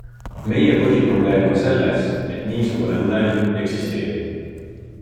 Meie põhiprobleem on selles, et niisugune unelm eksisteerib.